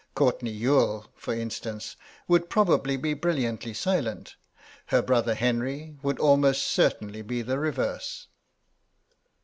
Courtenay Youghal, for instance, would probably be brilliantly silent; her brother Henry would almost certainly be the reverse.